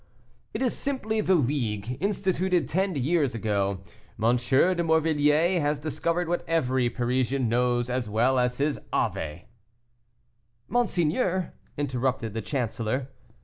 "It is simply the League, instituted ten years ago; M. de Morvilliers has discovered what every Parisian knows as well as his ave." "Monsieur," interrupted the chancellor.